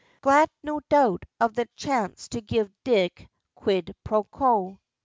Glad, no doubt, of the chance to give Dick quid pro quo.